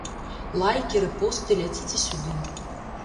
Лайкі, рэпосты, ляціце сюды.